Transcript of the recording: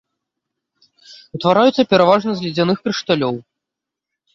Утвараюцца пераважна з ледзяных крышталёў.